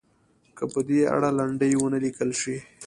که په دې اړه لنډۍ ونه لیکل شي.